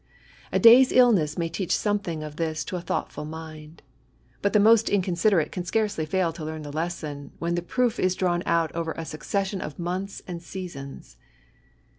A day's illness may teach something of tlm to a thoughtful mind ; but the most inconsiderate can scarcely fail to learn the lesson, when the proof is drawn out over a succession of months and seasons.